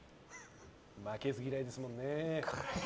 負けず嫌いですもんね。